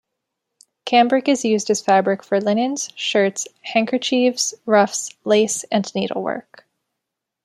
Cambric is used as fabric for linens, shirts, handkerchieves, ruffs, lace and needlework.